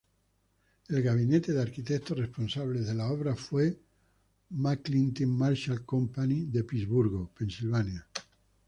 El gabinete de arquitectos responsable de la obra fue McClintic-Marshall Company de Pittsburgh, Pennsylvania.